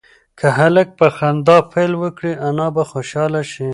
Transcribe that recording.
که هلک په خندا پیل وکړي انا به خوشحاله شي.